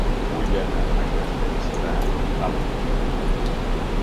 Vull anar a Castellserà amb bicicleta.